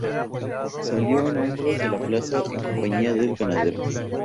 Salió en hombros de la plaza en compañía del ganadero.